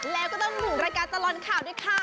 แล้วก็ต้องถึงรายการตลอดข่าวด้วยค่ะ